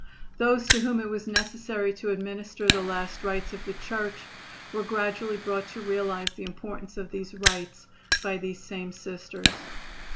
Those to whom it was necessary to administer the last rites of the Church were gradually brought to realize the importance of these rites by these same Sisters.